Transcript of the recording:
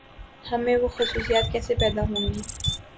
ہم میں وہ خصوصیات کیسے پیداہونگی؟